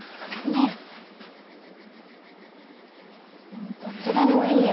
もうどっちでもいいよ。